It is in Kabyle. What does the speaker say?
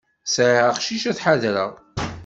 Sεiɣ aqcic ad t-ḥadreɣ.